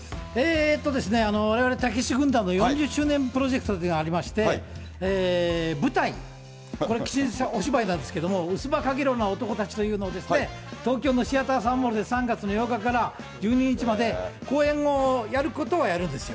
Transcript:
われわれ、たけし軍団の４０周年プロジェクトというのがありまして、舞台、これきちんとしたお芝居なんですけど、ウスバカゲロウな男たちということで、東京のシアターサンモールで、３月の８日から１２日まで、公演をやることはやるんですよ。